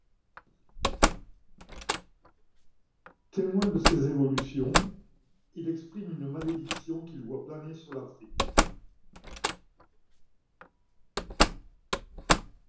Témoin de ses évolutions, il exprime une malédiction qu'il voit planer sur l'Afrique.